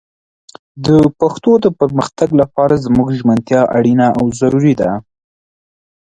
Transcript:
د پښتو د پرمختګ لپاره زموږ ژمنتيا اړينه او ضروري ده